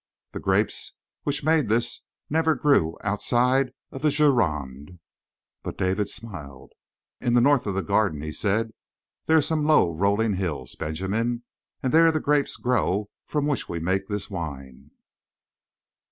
The grapes which made this never grew outside of the Gironde!" But David smiled. "In the north of the Garden," he said, "there are some low rolling hills, Benjamin; and there the grapes grow from which we make this wine."